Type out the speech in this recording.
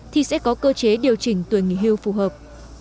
thì sẽ có cơ chế điều chỉnh tuổi nghỉ hưu phù hợp